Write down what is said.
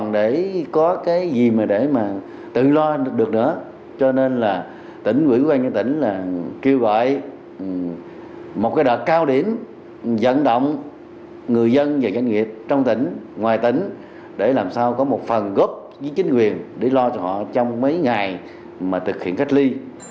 điều này làm sao có một phần góp với chính quyền để lo cho họ trong mấy ngày mà thực hiện cách ly